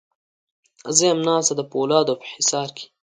زه یم ناسته د پولادو په حصار کې